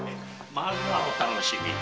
まずはお楽しみに。